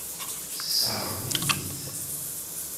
Tesseṛɣem-iyi-t.